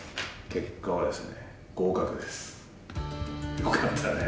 よかったね。